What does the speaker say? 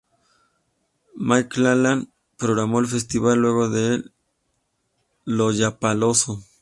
Mclachlan programó el festival luego del Lollapalooza.